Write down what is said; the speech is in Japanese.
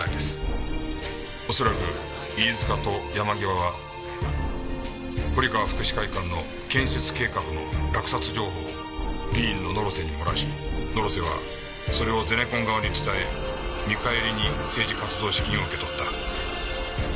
恐らく飯塚と山際は堀川福祉会館の建設計画の落札情報を議員の野呂瀬に漏らし野呂瀬はそれをゼネコン側に伝え見返りに政治活動資金を受け取った。